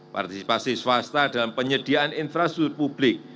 partisipasi swasta dalam penyediaan infrastruktur publik